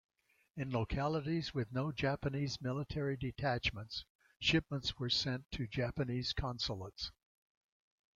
In localities with no Japanese military detachments, shipments were sent to Japanese consulates.